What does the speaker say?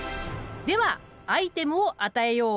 ではアイテムを与えよう！